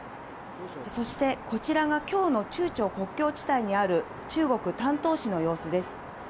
そして、こちらがきょうの中朝国境地帯にある中国・丹東市の様子です。